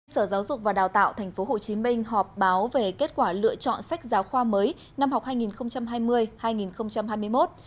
sở giáo dục và đào tạo tp hcm họp báo về kết quả lựa chọn sách giáo khoa mới năm học hai nghìn hai mươi hai nghìn hai mươi một